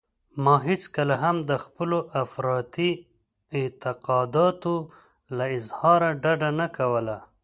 ما هېڅکله هم د خپلو افراطي اعتقاداتو له اظهاره ډډه نه کوله.